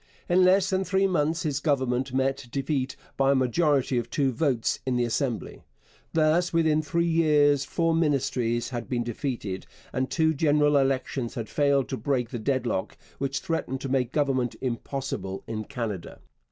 In less than three months his Government met defeat by a majority of two votes in the Assembly. Thus within three years four Ministries had been defeated, and two general elections had failed to break the deadlock which threatened to make government impossible in Canada.